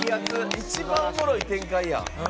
一番おもろい展開やん！